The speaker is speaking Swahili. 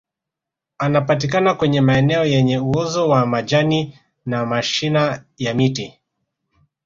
anapatikana kwenye maeneo yenye uozo wa majani na mashina ya miti